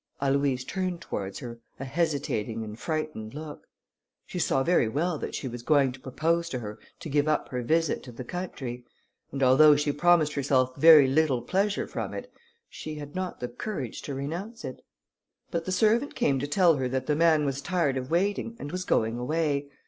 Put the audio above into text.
Aloïse turned towards her a hesitating and frightened look. She saw very well that she was going to propose to her to give up her visit to the country; and although she promised herself very little pleasure from it, she had not the courage to renounce it. But the servant came to tell her that the man was tired of waiting, and was going away.